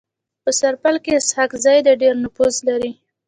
په سرپل کي اسحق زي د ډير نفوذ لري.